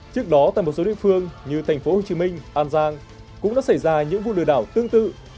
trước đó tại một số địa phương như tp hcm an giang cũng đã xảy ra những vụ lừa đảo tương tự